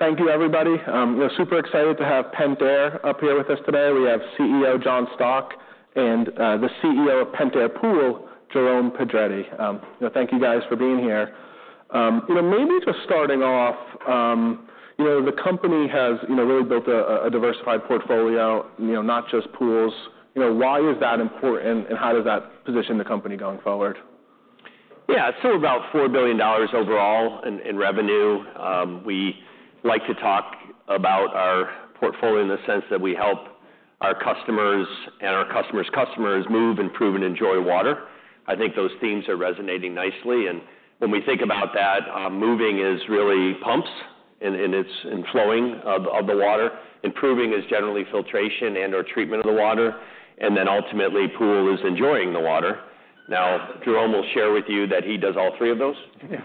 Thank you, everybody. We're super excited to have Pentair up here with us today. We have CEO, John Stauch, and the CEO of Pentair pool, Jerome Pedretti. Thank you guys for being here. You know, maybe just starting off, you know, the company has, you know, really built a diversified portfolio, you know, not just pools. You know, why is that important, and how does that position the company going forward? Yeah, so about $4 billion overall in revenue. We like to talk about our portfolio in the sense that we help our customers and our customers' customers move, improve, and enjoy water. I think those themes are resonating nicely, and when we think about that, moving is really pumps and flowing of the water. Improving is generally filtration and/or treatment of the water, and then ultimately, pool is enjoying the water. Now, Jerome will share with you that he does all three of those.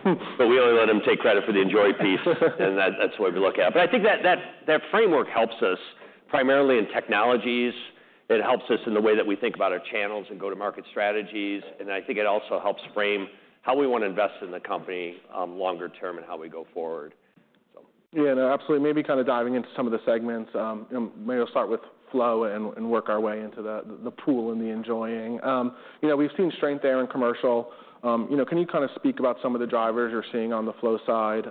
But we only let him take credit for the enjoy piece and that's what we look at. But I think that framework helps us primarily in technologies. It helps us in the way that we think about our channels and go-to-market strategies, and I think it also helps frame how we want to invest in the company, longer term and how we go forward, so. Yeah, absolutely. Maybe kind of diving into some of the segments, maybe I'll start with Flow and work our way into the pool and the industrial. You know, we've seen strength there in commercial. You know, can you kind of speak about some of the drivers you're seeing on the Flow side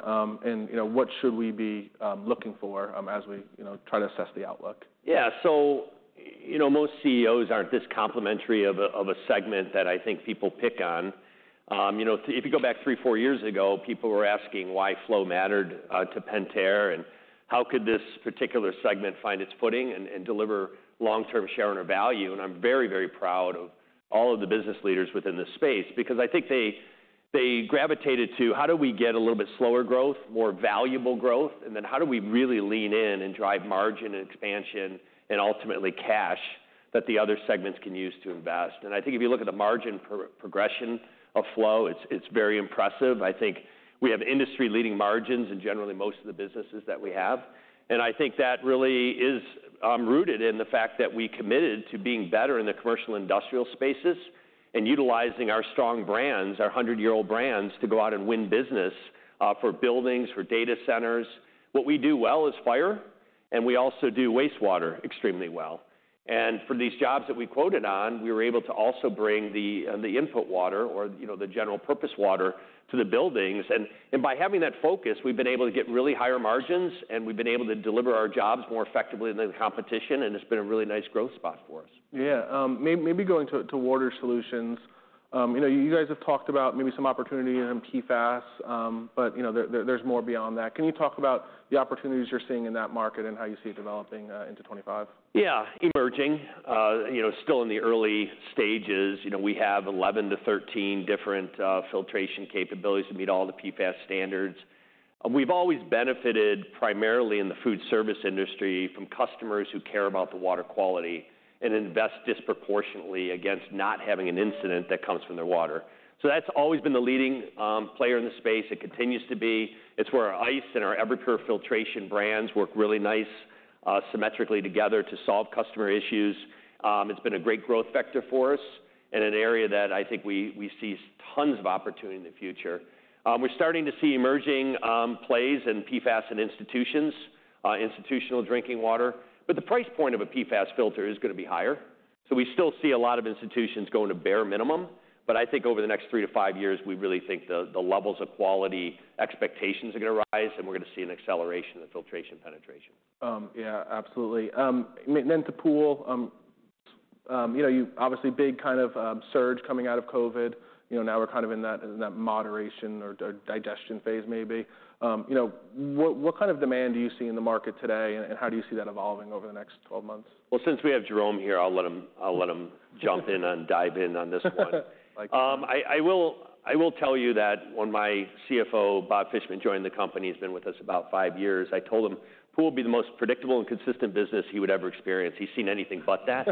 and you know, what should we be looking for as we, you know, try to assess the outlook? Yeah. So, you know, most CEOs aren't this complimentary of a segment that I think people pick on. You know, if you go back three, four years ago, people were asking why Flow mattered to Pentair, and how could this particular segment find its footing and deliver long-term shareholder value? And I'm very, very proud of all of the business leaders within this space because I think they gravitated to: How do we get a little bit slower growth, more valuable growth? And then, how do we really lean in and drive margin and expansion and ultimately cash that the other segments can use to invest? And I think if you look at the margin progression of Flow, it's very impressive. I think we have industry-leading margins in generally most of the businesses that we have. And I think that really is rooted in the fact that we committed to being better in the commercial industrial spaces and utilizing our strong brands, our hundred-year-old brands, to go out and win business, for buildings, for data centers. What we do well is fire, and we also do wastewater extremely well. And for these jobs that we quoted on, we were able to also bring the input water or, you know, the general purpose water to the buildings. And by having that focus, we've been able to get really higher margins, and we've been able to deliver our jobs more effectively than the competition, and it's been a really nice growth spot for us. Yeah. Maybe going to Water Solutions. You know, you guys have talked about maybe some opportunity in PFAS, but, you know, there's more beyond that. Can you talk about the opportunities you're seeing in that market and how you see it developing into twenty-five? Yeah, emerging. You know, still in the early stages, you know, we have eleven to thirteen different filtration capabilities to meet all the PFAS standards. We've always benefited primarily in the food service industry, from customers who care about the water quality and invest disproportionately against not having an incident that comes from their water. So that's always been the leading player in the space. It continues to be. It's where our ice and our Everpure filtration brands work really nice symmetrically together to solve customer issues. It's been a great growth vector for us and an area that I think we see tons of opportunity in the future. We're starting to see emerging plays in PFAS in institutions, institutional drinking water. But the price point of a PFAS filter is gonna be higher, so we still see a lot of institutions going to bare minimum. But I think over the next three to five years, we really think the levels of quality expectations are gonna rise, and we're gonna see an acceleration in filtration penetration. Yeah, absolutely. Then to pool, you know, you obviously big kind of surge coming out of COVID. You know, now we're kind of in that moderation or digestion phase, maybe. You know, what kind of demand do you see in the market today, and how do you see that evolving over the next twelve months? Since we have Jerome here, I'll let him jump in and dive in on this one. Like- I will tell you that when my CFO, Bob Fishman, joined the company, he's been with us about five years. I told him pool would be the most predictable and consistent business he would ever experience. He's seen anything but that.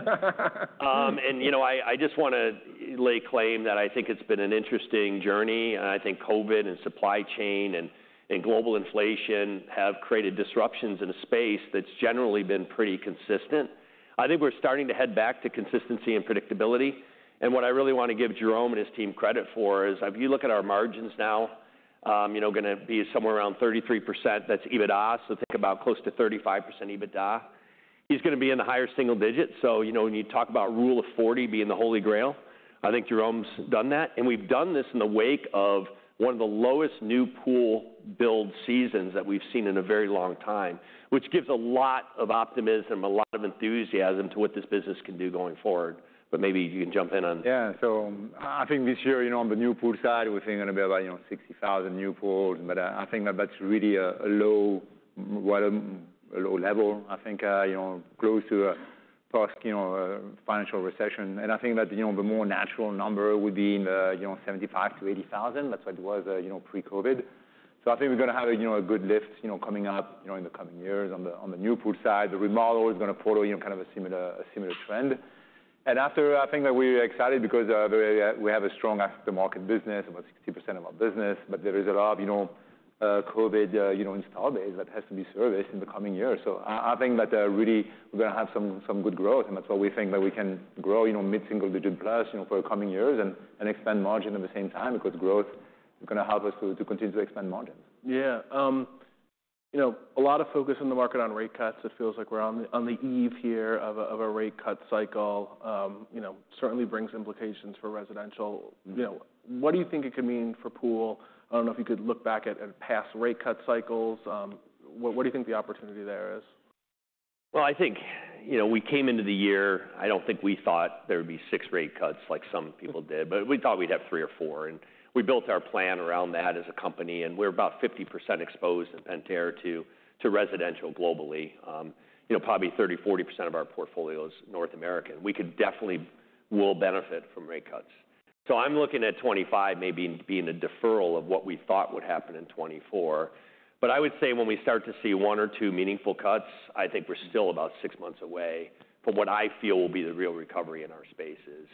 And, you know, I just want to lay claim that I think it's been an interesting journey, and I think COVID and supply chain and global inflation have created disruptions in a space that's generally been pretty consistent. I think we're starting to head back to consistency and predictability. What I really want to give Jerome and his team credit for is, if you look at our margins now, you know, gonna be somewhere around 33%. That's EBITDA, so think about close to 35% EBITDA. He's gonna be in the higher single digits, so you know, when you talk about Rule of 40 being the holy grail, I think Jerome's done that. And we've done this in the wake of one of the lowest new pool build seasons that we've seen in a very long time, which gives a lot of optimism, a lot of enthusiasm to what this business can do going forward. But maybe you can jump in on- Yeah. So I think this year, you know, on the new pool side, we're thinking gonna be about, you know, 60,000 new pools, but I think that that's really a low, well, a low level. I think, you know, close to a post-financial recession. And I think that, you know, the more natural number would be in the, you know, 75,000-80,000. That's what it was, you know, pre-COVID. So I think we're gonna have a, you know, a good lift, you know, coming up, you know, in the coming years on the new pool side. The remodel is gonna follow, you know, kind of a similar trend. After, I think that we're excited because we have a strong after-market business, about 60% of our business, but there is a lot, you know, COVID, you know, installed base that has to be serviced in the coming years. So I think that really we're gonna have some good growth, and that's why we think that we can grow, you know, mid-single digit plus, you know, for coming years and expand margin at the same time, because growth is gonna help us to continue to expand margin. Yeah. You know, a lot of focus in the market on rate cuts. It feels like we're on the eve here of a rate cut cycle. You know, certainly brings implications for residential. You know, what do you think it could mean for pool? I don't know if you could look back at past rate cut cycles. What do you think the opportunity there is? I think, you know, we came into the year. I don't think we thought there would be six rate cuts like some people did, but we thought we'd have three or four, and we built our plan around that as a company, and we're about 50% exposed at Pentair to residential globally. You know, probably 30%-40% of our portfolio is North American. We could definitely will benefit from rate cuts. So I'm looking at 2025 maybe being a deferral of what we thought would happen in 2024. But I would say when we start to see one or two meaningful cuts, I think we're still about six months away from what I feel will be the real recovery in our spaces.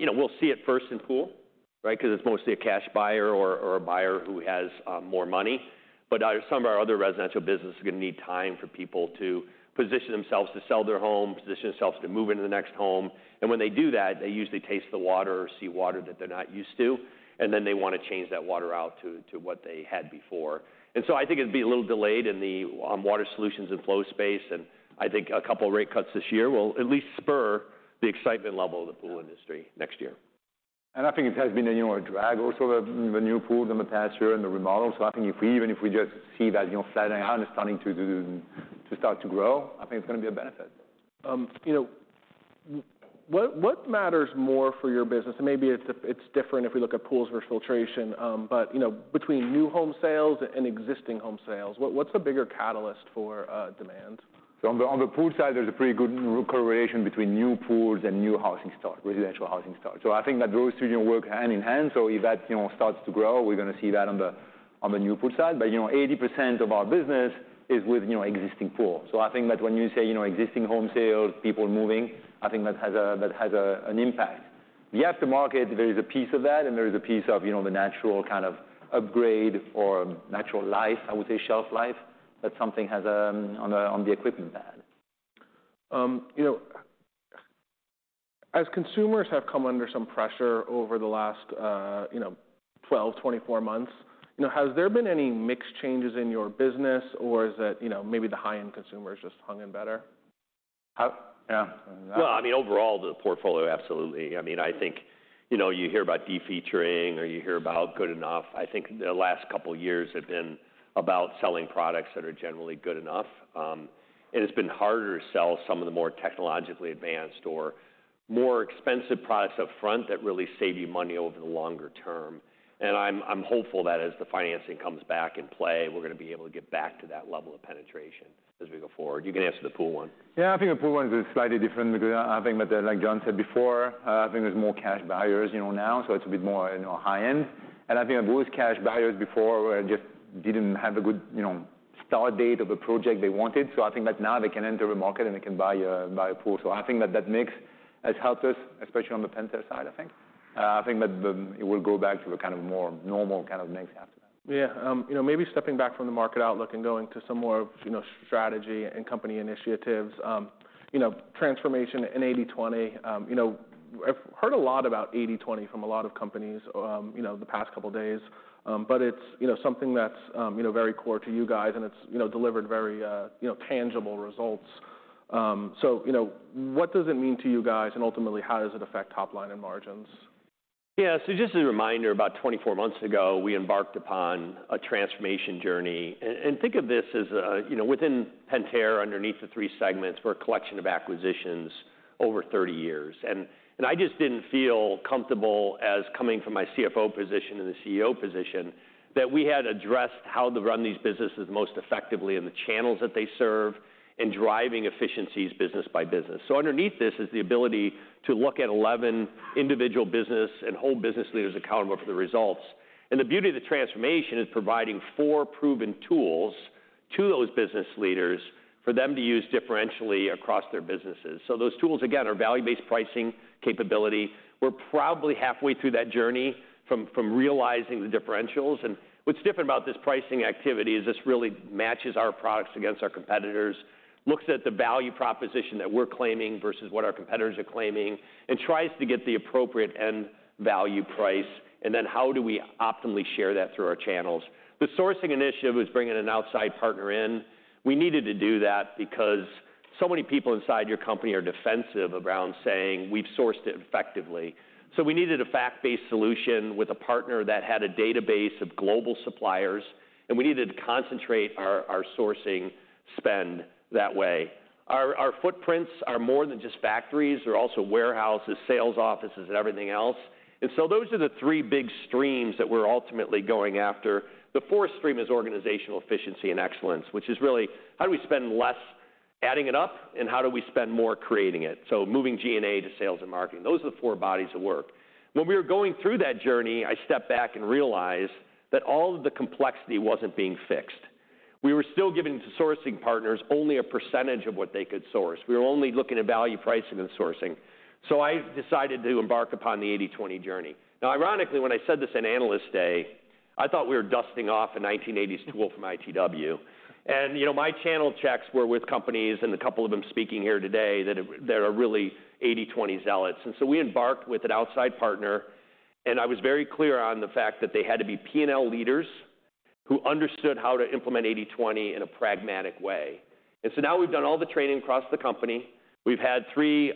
You know, we'll see it first in pool, right? Because it's mostly a cash buyer or a buyer who has more money. But some of our other residential business is gonna need time for people to position themselves to sell their home, position themselves to move into the next home. And when they do that, they usually taste the water or see water that they're not used to, and then they want to change that water out to what they had before. And so I think it'd be a little delayed in the Water Solutions and Flow space, and I think a couple of rate cuts this year will at least spur the excitement level of the pool industry next year. I think it has been a, you know, a drag also, the new pool in the past year and the remodel. So I think even if we just see that, you know, flattening out and starting to start to grow, I think it's gonna be a benefit. You know, what matters more for your business? Maybe it's different if we look at pools versus filtration. But, you know, between new home sales and existing home sales, what's the bigger catalyst for demand? So on the, on the pool side, there's a pretty good correlation between new pools and new housing stock, residential housing stock. So I think that those two work hand in hand. So if that, you know, starts to grow, we're gonna see that on the, on the new pool side. But, you know, 80% of our business is with, you know, existing pools. So I think that when you say, you know, existing home sales, people moving, I think that has an impact. The aftermarket, there is a piece of that, and there is a piece of, you know, the natural kind of upgrade or natural life, I would say, shelf life, that something has, on the, on the equipment pad. You know, as consumers have come under some pressure over the last, you know, twelve, twenty-four months, you know, has there been any mixed changes in your business, or is it, you know, maybe the high-end consumer is just hung in better? Uh, yeah. Well, I mean, overall, the portfolio, absolutely. I mean, I think, you know, you hear about de-featuring or you hear about good enough. I think the last couple of years have been about selling products that are generally good enough. And it's been harder to sell some of the more technologically advanced or more expensive products up front that really save you money over the longer term. And I'm hopeful that as the financing comes back in play, we're gonna be able to get back to that level of penetration as we go forward. You can answer the pool one. Yeah, I think the pool one is slightly different because I think that, like John said before, I think there's more cash buyers, you know, now, so it's a bit more, you know, high-end. And I think those cash buyers before just didn't have a good, you know, start date of the project they wanted. So I think that now they can enter the market, and they can buy a pool. So I think that that mix has helped us, especially on the Pentair side, I think. I think that it will go back to a kind of more normal kind of mix after that. Yeah, you know, maybe stepping back from the market outlook and going to some more, you know, strategy and company initiatives, you know, transformation in 80/20. You know, I've heard a lot about 80/20 from a lot of companies, you know, the past couple of days. But it's, you know, something that's, you know, very core to you guys, and it's, you know, delivered very, you know, tangible results. So, you know, what does it mean to you guys, and ultimately, how does it affect top line and margins? Yeah, so just a reminder, about twenty-four months ago, we embarked upon a transformation journey, and think of this as a, you know, within Pentair, underneath the three segments, we're a collection of acquisitions over thirty years, and I just didn't feel comfortable as coming from my CFO position and the CEO position, that we had addressed how to run these businesses most effectively and the channels that they serve, and driving efficiencies business by business, so underneath this is the ability to look at eleven individual business and hold business leaders accountable for the results. And the beauty of the transformation is providing four proven tools to those business leaders for them to use differentially across their businesses, so those tools, again, are value-based pricing capability. We're probably halfway through that journey from realizing the differentials. What's different about this pricing activity is this really matches our products against our competitors, looks at the value proposition that we're claiming versus what our competitors are claiming, and tries to get the appropriate end value price, and then how do we optimally share that through our channels? The sourcing initiative is bringing an outside partner in. We needed to do that because so many people inside your company are defensive around saying, "We've sourced it effectively." So we needed a fact-based solution with a partner that had a database of global suppliers, and we needed to concentrate our sourcing spend that way. Our footprints are more than just factories. They're also warehouses, sales offices, and everything else. So those are the three big streams that we're ultimately going after. The fourth stream is organizational efficiency and excellence, which is really: how do we spend less adding it up, and how do we spend more creating it? So moving G&A to sales and marketing. Those are the four bodies of work. When we were going through that journey, I stepped back and realized that all of the complexity wasn't being fixed. We were still giving the sourcing partners only a percentage of what they could source. We were only looking at value pricing and sourcing. So I decided to embark upon the 80/20 journey. Now, ironically, when I said this in Analyst Day, I thought we were dusting off a 1980s tool from ITW. And, you know, my channel checks were with companies, and a couple of them speaking here today, that are really 80/20 zealots. And so we embarked with an outside partner.... And I was very clear on the fact that they had to be P&L leaders who understood how to implement 80/20 in a pragmatic way. And so now we've done all the training across the company. We've had three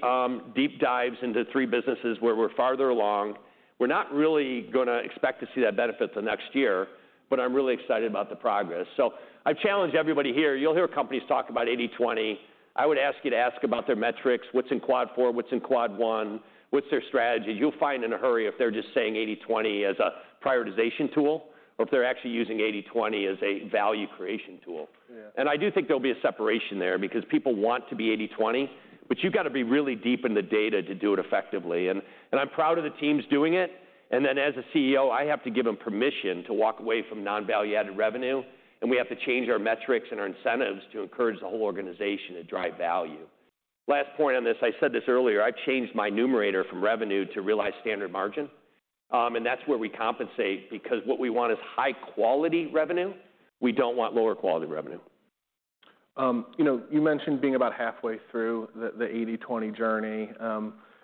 deep dives into three businesses where we're farther along. We're not really gonna expect to see that benefit the next year, but I'm really excited about the progress. So I've challenged everybody here. You'll hear companies talk about 80/20. I would ask you to ask about their metrics, what's in Quad 4s, what's in Quad 1, what's their strategy? You'll find in a hurry if they're just saying 80/20 as a prioritization tool, or if they're actually using 80/20 as a value creation tool. Yeah. I do think there'll be a separation there because people want to be 80/20, but you've got to be really deep in the data to do it effectively. I'm proud of the teams doing it, and then as a CEO, I have to give them permission to walk away from non-value-added revenue, and we have to change our metrics and our incentives to encourage the whole organization to drive value. Last point on this, I said this earlier. I've changed my numerator from revenue to realized standard margin. That's where we compensate because what we want is high-quality revenue. We don't want lower quality revenue. You know, you mentioned being about halfway through the 80/20 journey.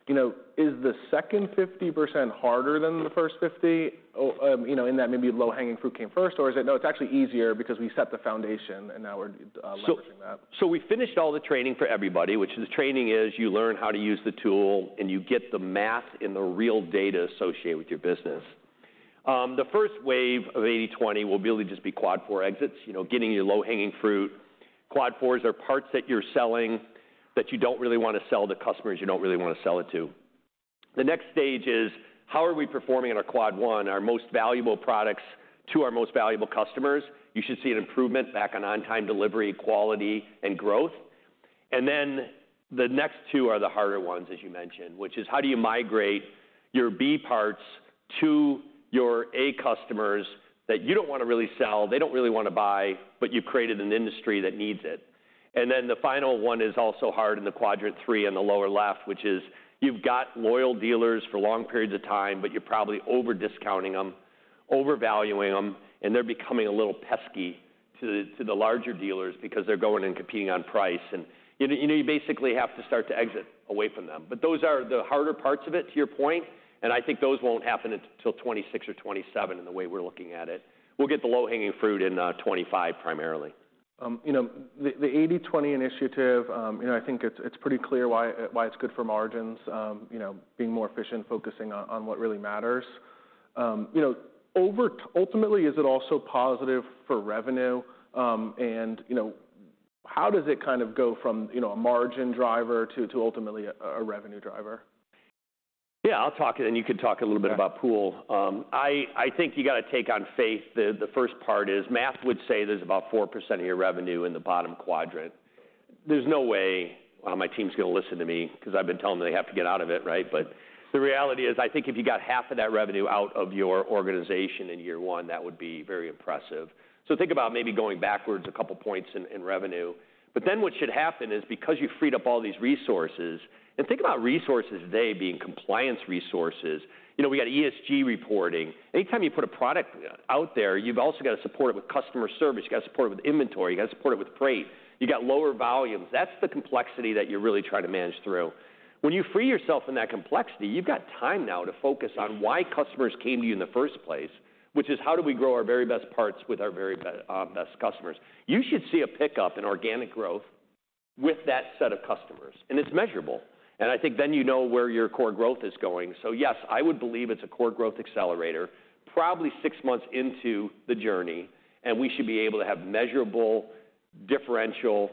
You know, is the second 50% harder than the first 50%? Or, you know, and that maybe low-hanging fruit came first, or is it, "No, it's actually easier because we set the foundation, and now we're leveraging that? So we finished all the training for everybody, which the training is you learn how to use the tool, and you get the math and the real data associated with your business. The first wave of 80/20 will really just be Quad 4 exits, you know, getting your low-hanging fruit. Quad 4s are parts that you're selling that you don't really want to sell to customers you don't really want to sell it to. The next stage is, how are we performing in our Quad 1, our most valuable products to our most valuable customers? You should see an improvement back on on-time delivery, quality, and growth. And then the next two are the harder ones, as you mentioned, which is: how do you migrate your B parts to your A customers that you don't want to really sell, they don't really want to buy, but you've created an industry that needs it? And then the final one is also hard in the quadrant three in the lower left, which is you've got loyal dealers for long periods of time, but you're probably over-discounting them, overvaluing them, and they're becoming a little pesky to the, to the larger dealers because they're going and competing on price. And, you know, you basically have to start to exit away from them. But those are the harder parts of it, to your point, and I think those won't happen until 2026 or 2027 in the way we're looking at it. We'll get the low-hanging fruit in 2025, primarily. You know, the 80/20 initiative, you know, I think it's pretty clear why it's good for margins, you know, being more efficient, focusing on what really matters. You know, ultimately, is it also positive for revenue? And, you know, how does it kind of go from, you know, a margin driver to ultimately a revenue driver? Yeah, I'll talk it, and you can talk a little bit- Okay... about pool. I think you got to take on faith. The first part is math would say there's about 4% of your revenue in the bottom quadrant. There's no way my team's gonna listen to me because I've been telling them they have to get out of it, right? But the reality is, I think if you got half of that revenue out of your organization in year one, that would be very impressive. So think about maybe going backwards a couple of points in revenue. But then what should happen is because you freed up all these resources. Think about resources today being compliance resources. You know, we got ESG reporting. Anytime you put a product out there, you've also got to support it with customer service, you've got to support it with inventory, you've got to support it with freight. You got lower volumes. That's the complexity that you're really trying to manage through. When you free yourself from that complexity, you've got time now to focus on why customers came to you in the first place, which is: how do we grow our very best parts with our very best customers? You should see a pickup in organic growth with that set of customers, and it's measurable. And I think then you know where your core growth is going. So yes, I would believe it's a core growth accelerator, probably six months into the journey, and we should be able to have measurable, differential,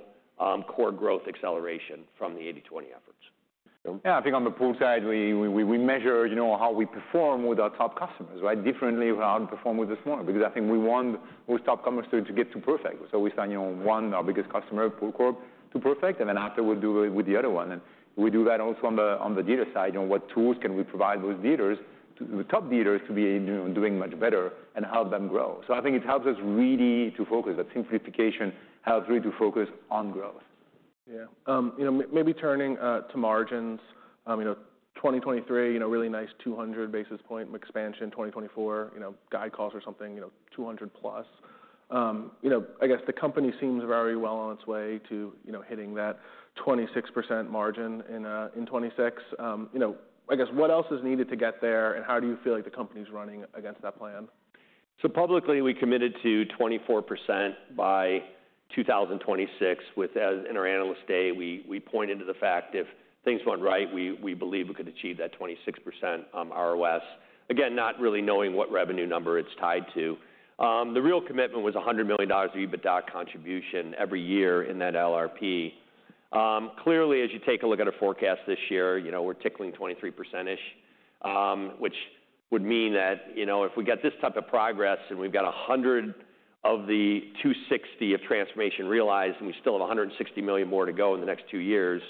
core growth acceleration from the 80/20 efforts. Yeah, I think on the pool side, we measure, you know, how we perform with our top customers, right? Differently, how we perform with the smaller. Because I think we want those top customers to get to perfect. So we sign, you know, one, our biggest customer, pool Corp, to perfect, and then after we'll do it with the other one. And we do that also on the dealer side, you know, what tools can we provide those dealers, to the top dealers, to be, you know, doing much better and help them grow? So I think it helps us really to focus. That simplification helps really to focus on growth. Yeah. You know, maybe turning to margins. You know, 2023, you know, really nice 200 basis point expansion, 2024, you know, guide calls or something, you know, 200 plus. You know, I guess the company seems very well on its way to, you know, hitting that 26% margin in 2026. You know, I guess, what else is needed to get there, and how do you feel like the company's running against that plan? So publicly, we committed to 24% by 2026. With, as in our Analyst Day, we pointed to the fact if things went right, we believe we could achieve that 26% ROS. Again, not really knowing what revenue number it's tied to. The real commitment was $100 million of EBITDA contribution every year in that LRP. Clearly, as you take a look at our forecast this year, you know, we're tickling 23%-ish, which would mean that, you know, if we get this type of progress and we've got $100 million of the $260 million of transformation realized, and we still have $160 million more to go in the next two years,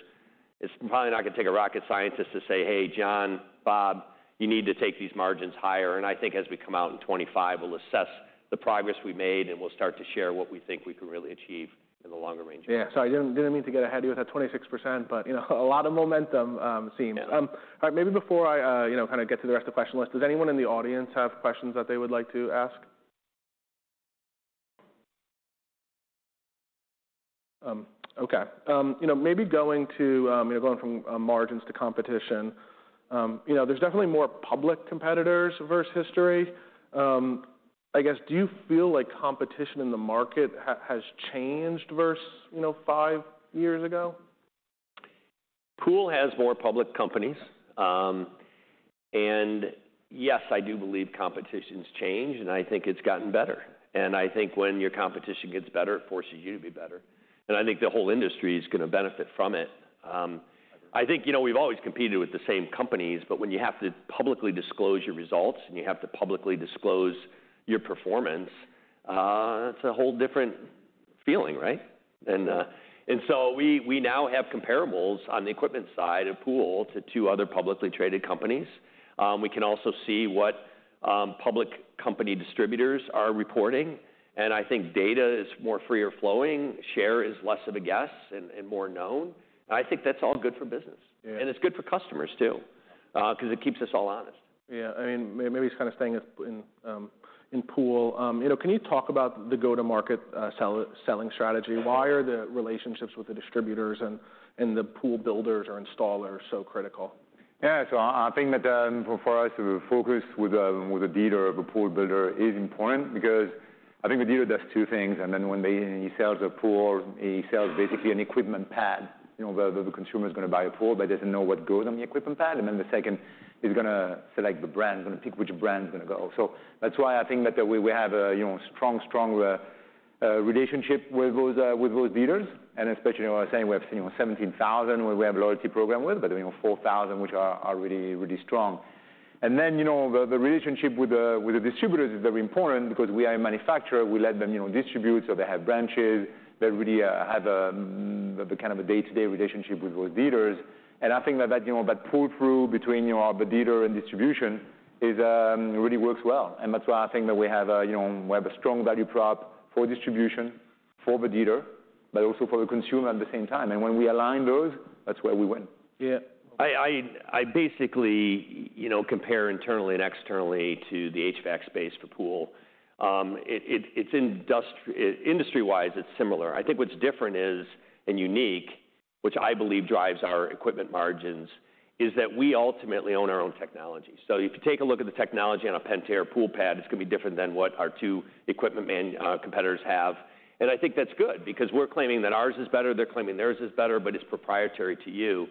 it's probably not going to take a rocket scientist to say, "Hey, John, Bob, you need to take these margins higher." And I think as we come out in 2025, we'll assess the progress we made, and we'll start to share what we think we can really achieve in the longer range. Yeah. So I didn't mean to get ahead of you with that 26%, but, you know, a lot of momentum seen. Yeah. All right, maybe before I, you know, kind of get to the rest of the question list, does anyone in the audience have questions that they would like to ask?... okay. You know, maybe going to, you know, going from, margins to competition. You know, there's definitely more public competitors versus history. I guess, do you feel like competition in the market has changed versus, you know, five years ago? pool has more public companies, and yes, I do believe competition's changed, and I think it's gotten better, and I think when your competition gets better, it forces you to be better, and I think the whole industry is gonna benefit from it. I think, you know, we've always competed with the same companies, but when you have to publicly disclose your results, and you have to publicly disclose your performance, it's a whole different feeling, right, and so we now have comparables on the equipment side of pool to two other publicly traded companies. We can also see what public company distributors are reporting, and I think data is more freer Flowing, share is less of a guess and more known, and I think that's all good for business. Yeah. And it's good for customers, too, 'cause it keeps us all honest. Yeah. I mean, maybe kind of staying in pool, you know, can you talk about the go-to-market selling strategy? Why are the relationships with the distributors and the pool builders or installers so critical? Yeah, so I think that for us to focus with the dealer or a pool builder is important because I think the dealer does two things. He sells a pool, he sells basically an equipment pad. You know, the consumer is gonna buy a pool, but doesn't know what goes on the equipment pad, and then the second, he's gonna select the brand, he's gonna pick which brand is gonna go. So that's why I think that we have a, you know, strong relationship with those dealers, and especially, we're saying we have 17,000 where we have loyalty program with, but, you know, 4,000 which are really strong. And then, you know, the relationship with the distributors is very important because we are a manufacturer. We let them, you know, distribute, so they have branches. They really have the kind of a day-to-day relationship with those dealers. And I think that, you know, that pull-through between, you know, the dealer and distribution really works well, and that's why I think that we have a strong value prop for distribution, for the dealer, but also for the consumer at the same time, and when we align those, that's where we win. Yeah. I basically, you know, compare internally and externally to the HVAC space for pool. It's industry-wise, it's similar. I think what's different is, and unique, which I believe drives our equipment margins, is that we ultimately own our own technology. So if you take a look at the technology on a Pentair pool pad, it's gonna be different than what our two equipment main competitors have. And I think that's good because we're claiming that ours is better, they're claiming theirs is better, but it's proprietary to you.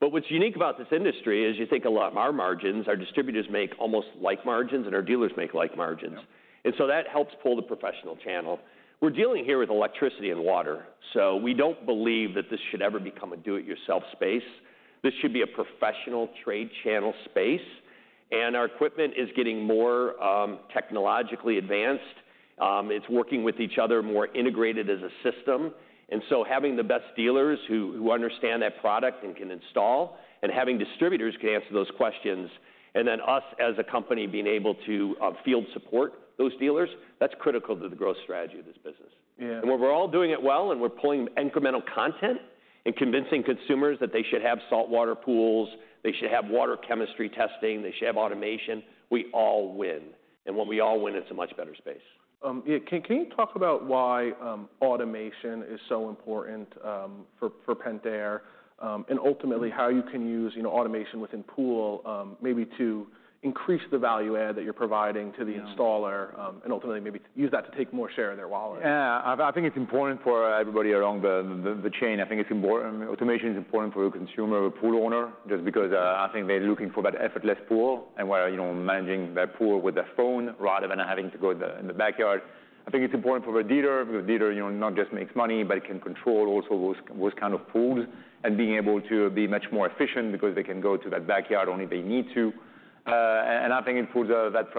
But what's unique about this industry is you think a lot of our margins, our distributors make almost like margins, and our dealers make like margins. Yeah. And so that helps pull the professional channel. We're dealing here with electricity and water, so we don't believe that this should ever become a do-it-yourself space. This should be a professional trade channel space, and our equipment is getting more technologically advanced. It's working with each other more integrated as a system. And so having the best dealers who understand that product and can install, and having distributors who can answer those questions, and then us, as a company, being able to field support those dealers, that's critical to the growth strategy of this business. Yeah. And when we're all doing it well, and we're pulling incremental content and convincing consumers that they should have saltwater pools, they should have water chemistry testing, they should have automation, we all win. And when we all win, it's a much better space. Yeah, can you talk about why automation is so important for Pentair, and ultimately, how you can use, you know, automation within pool, maybe to increase the value add that you're providing to the- Yeah... installer, and ultimately maybe use that to take more share of their wallet? Yeah. I think it's important for everybody along the chain. I think it's important. Automation is important for a consumer or pool owner, just because I think they're looking for that effortless pool and where, you know, managing their pool with their phone rather than having to go in the backyard. I think it's important for the dealer, because the dealer, you know, not just makes money, but can control also those kind of pools and being able to be much more efficient because they can go to that backyard only if they need to. And I think it improves that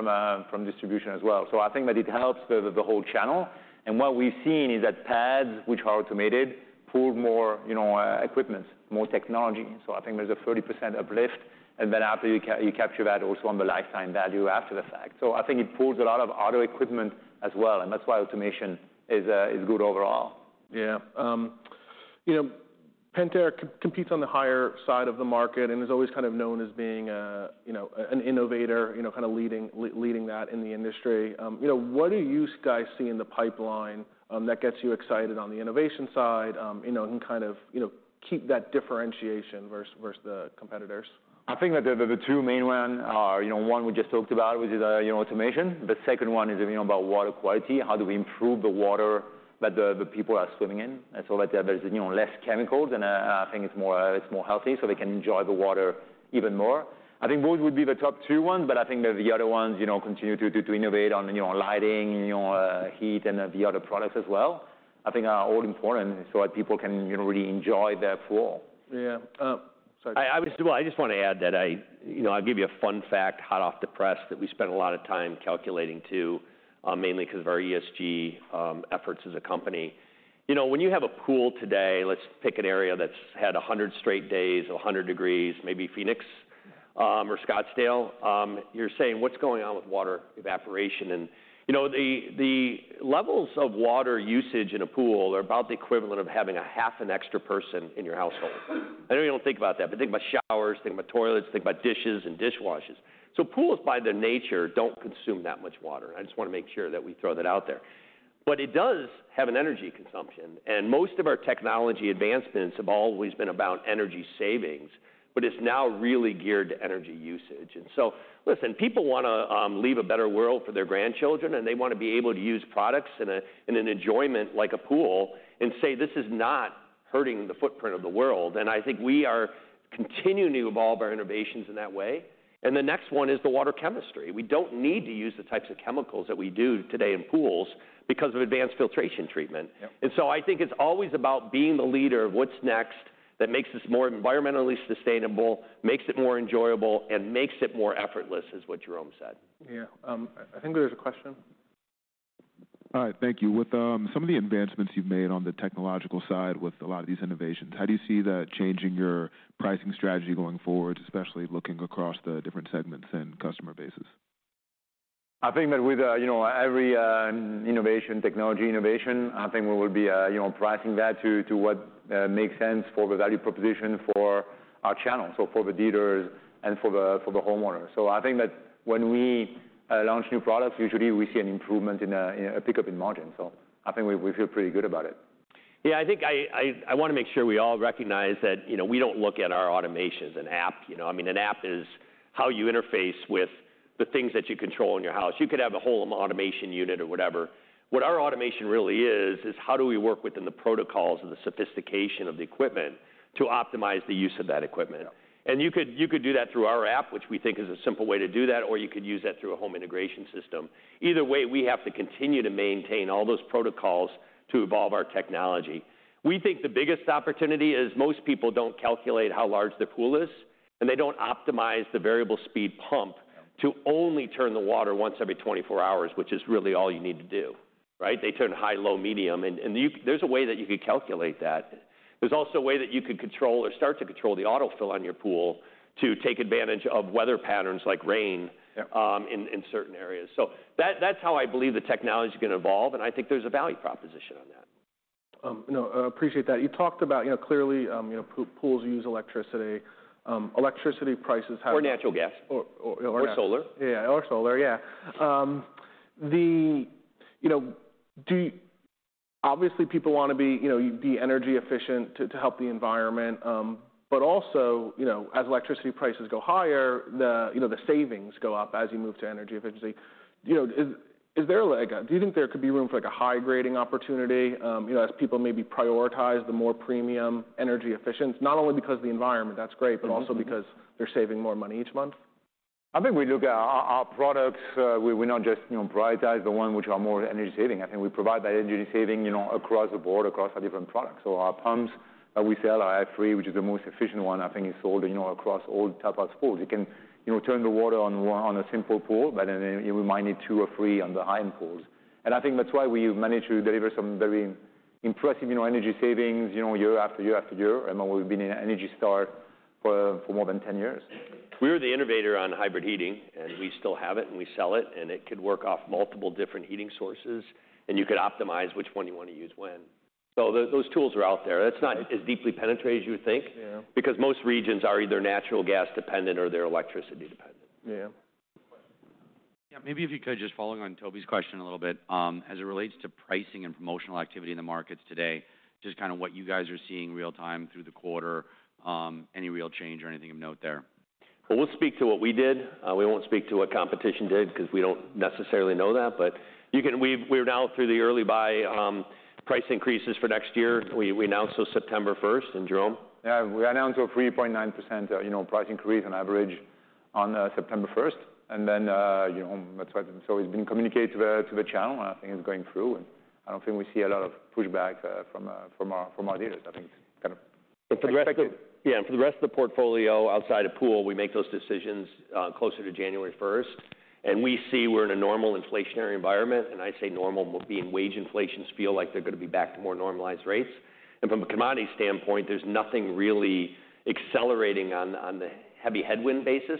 from distribution as well. So I think that it helps the whole channel, and what we've seen is that pads, which are automated, pull more, you know, equipment, more technology. So I think there's a 30% uplift, and then after you capture that also on the lifetime value after the fact. So I think it pulls a lot of auto equipment as well, and that's why automation is good overall. Yeah. You know, Pentair competes on the higher side of the market and is always kind of known as being, you know, an innovator, you know, kind of leading that in the industry. You know, what do you guys see in the pipeline that gets you excited on the innovation side, you know, and kind of, you know, keep that differentiation versus the competitors? I think that the two main one are, you know, one we just talked about, which is, you know, automation. The second one is, you know, about water quality. How do we improve the water that the people are swimming in? And so that there is, you know, less chemicals, and I think it's more healthy, so they can enjoy the water even more. I think those would be the top two ones, but I think that the other ones, you know, continue to innovate on, you know, lighting, you know, heat, and the other products as well. I think they are all important so that people can, you know, really enjoy their pool. Yeah, Sorry. Well, I just want to add that I... You know, I'll give you a fun fact, hot off the press, that we spent a lot of time calculating, too, mainly because of our ESG efforts as a company. You know, when you have a pool today, let's pick an area that's had one hundred straight days of one hundred degrees, maybe Phoenix or Scottsdale, you're saying: What's going on with water evaporation? And, you know, the levels of water usage in a pool are about the equivalent of having a half an extra person in your household. I know you don't think about that, but think about showers, think about toilets, think about dishes and dishwashers. So pools, by their nature, don't consume that much water, and I just want to make sure that we throw that out there. But it does have an energy consumption, and most of our technology advancements have always been about energy savings, but it's now really geared to energy usage. And so, listen, people wanna leave a better world for their grandchildren, and they wanna be able to use products in a, in an enjoyment, like a pool, and say, "This is not hurting the footprint of the world." And I think we are continuing to evolve our innovations in that way, and the next one is the water chemistry. We don't need to use the types of chemicals that we do today in pools because of advanced filtration treatment. Yep. And so I think it's always about being the leader of what's next that makes this more environmentally sustainable, makes it more enjoyable, and makes it more effortless, as what Jerome said. Yeah. I think there's a question. Hi, thank you. With some of the advancements you've made on the technological side with a lot of these innovations, how do you see that changing your pricing strategy going forward, especially looking across the different segments and customer bases? I think that with, you know, every innovation, technology innovation, I think we will be, you know, pricing that to what makes sense for the value proposition for our channels, so for the dealers and for the homeowners. So I think that when we launch new products, usually we see an improvement in a pickup in margin, so I think we feel pretty good about it. Yeah, I think I wanna make sure we all recognize that, you know, we don't look at our automation as an app, you know? I mean, an app is how you interface with the things that you control in your house. You could have a whole automation unit or whatever. What our automation really is, is how do we work within the protocols and the sophistication of the equipment to optimize the use of that equipment? Yeah. You could, you could do that through our app, which we think is a simple way to do that, or you could use that through a home integration system. Either way, we have to continue to maintain all those protocols to evolve our technology. We think the biggest opportunity is most people don't calculate how large their pool is, and they don't optimize the variable speed pump- Yeah... to only turn the water once every twenty-four hours, which is really all you need to do, right? They turn high, low, medium, and you-- there's a way that you could calculate that. There's also a way that you could control or start to control the autofill on your pool to take advantage of weather patterns, like rain- Yeah... in certain areas. So that, that's how I believe the technology's gonna evolve, and I think there's a value proposition on that. No, I appreciate that. You talked about, you know, clearly, you know, pools use electricity. Electricity prices have- Or natural gas. Or, or, or- Or solar. Yeah, or solar, yeah. The, you know, obviously, people wanna be, you know, be energy efficient to, to help the environment, but also, you know, as electricity prices go higher, the, you know, the savings go up as you move to energy efficiency. You know, is there like a-- Do you think there could be room for, like, a high-grading opportunity, you know, as people maybe prioritize the more premium energy efficiency, not only because of the environment, that's great-... but also because they're saving more money each month? I think we look at our products. We not just, you know, prioritize the ones which are more energy saving. I think we provide that energy saving, you know, across the board, across our different products. So our pumps that we sell are I3, which is the most efficient one. I think it's sold, you know, across all type of pools. You can, you know, turn the water on one, on a simple pool, but then you might need two or three on the high-end pools. And I think that's why we've managed to deliver some very impressive, you know, energy savings, you know, year after year after year, and we've been in Energy Star for more than 10 years. We were the innovator on hybrid heating, and we still have it, and we sell it, and it could work off multiple different heating sources- Yeah... and you could optimize which one you want to use when. So those tools are out there. That's not as deeply penetrated as you would think- Yeah... because most regions are either natural gas dependent or they're electricity dependent. Yeah. Yeah, maybe if you could, just following on Toby's question a little bit, as it relates to pricing and promotional activity in the markets today, just kind of what you guys are seeing real time through the quarter, any real change or anything of note there? We'll speak to what we did. We won't speak to what competition did, 'cause we don't necessarily know that, but you can... We're now through the early buy price increases for next year. We announced those September 1st, and Jerome? Yeah, we announced a 3.9%, you know, price increase on average on, you know, that's what... So it's been communicated to the channel, and I think it's going through, and I don't think we see a lot of pushback from our dealers. I think it's kind of- But for the rest of- Expected. Yeah, and for the rest of the portfolio outside of pool, we make those decisions closer to January 1st, and we see we're in a normal inflationary environment, and I say normal being wage inflations feel like they're gonna be back to more normalized rates. And from a commodity standpoint, there's nothing really accelerating on the heavy headwind basis,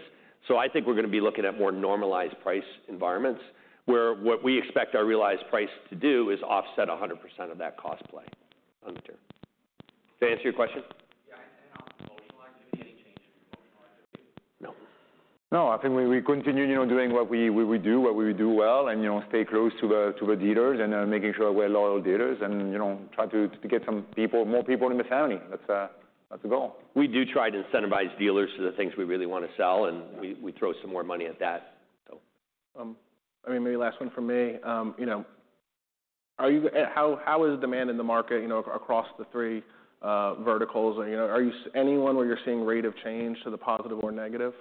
so I think we're gonna be looking at more normalized price environments, where what we expect our realized price to do is offset 100% of that cost play on the term. Did I answer your question? Yeah, and on promotional activity, any change in promotional activity? No. No, I think we continue, you know, doing what we do well, and, you know, stay close to the dealers and making sure we're loyal dealers and, you know, try to get some people, more people in the county. That's the goal. We do try to incentivize dealers for the things we really wanna sell, and- Yeah... we throw some more money at that, so. I mean, maybe last one from me. You know, how is demand in the market, you know, across the three verticals? And, you know, anyone where you're seeing rate of change to the positive or negative?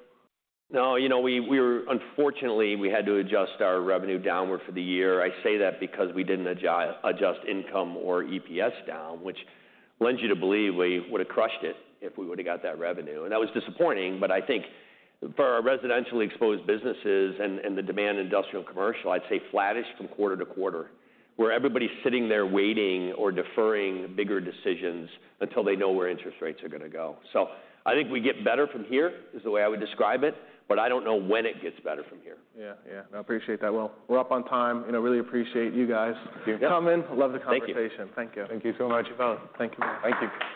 No, you know, we're unfortunately we had to adjust our revenue downward for the year. I say that because we didn't adjust income or EPS down, which lends you to believe we would've crushed it if we would've got that revenue, and that was disappointing. But I think for our residentially exposed businesses and the demand in industrial and commercial, I'd say flattish from quarter to quarter, where everybody's sitting there waiting or deferring bigger decisions until they know where interest rates are gonna go. So I think we get better from here, is the way I would describe it, but I don't know when it gets better from here. Yeah, yeah. I appreciate that. Well, we're up on time. You know, really appreciate you guys- Yeah... coming. Love the conversation. Thank you. Thank you. Thank you so much. Thank you. Thank you.